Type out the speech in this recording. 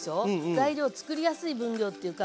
材料作りやすい分量っていうか